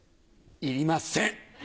いりません！